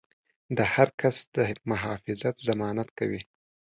د هر کس د محافظت ضمانت کوي.